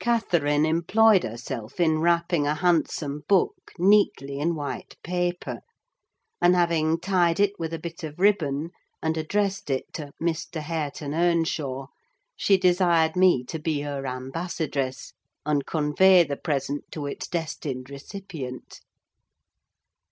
Catherine employed herself in wrapping a handsome book neatly in white paper, and having tied it with a bit of ribbon, and addressed it to "Mr. Hareton Earnshaw," she desired me to be her ambassadress, and convey the present to its destined recipient.